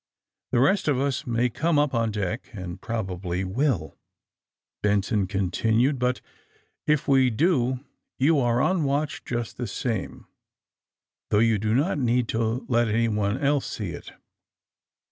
^'The rest of us may come up on deck, and probably will," Benson continued. '^But if we do you are on watch just the same, though you do not need to let anyone else see it."